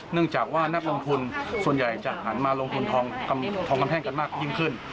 จากว่านักลงทุนส่วนใหญ่จะหันมาลงทุนทองคำแท่งกันมากยิ่งขึ้น